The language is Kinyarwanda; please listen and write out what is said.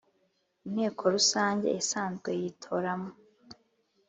Inteko Rusange Isanzwe yitoramo